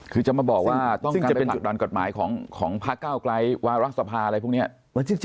คือจะมาบอกว่าต้องการไปผลักดันกฎหมายของพระเก้าไกลวารัฐสภาอะไรพวกนี้